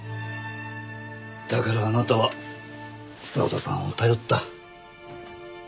だからあなたは澤田さんを頼った。